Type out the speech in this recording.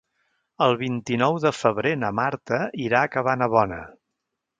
El vint-i-nou de febrer na Marta irà a Cabanabona.